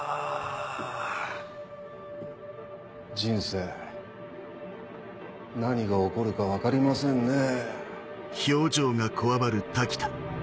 人生何が起こるか分かりませんねぇ。